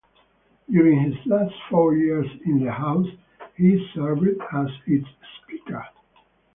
During his last four years in the House, he served as its Speaker.